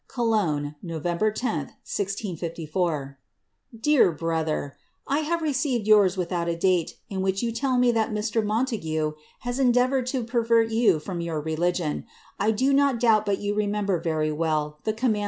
"Cologne, Not. 10, 1654* Dear Brother, I have receiTed yourt without a date, in which you tell me that Mr. Mon tague has endeavoured to pervert you from your religion. I do not doubt bat you remember very well the command?